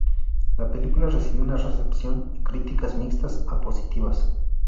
La película recibió una recepción y críticas mixtas a positivas.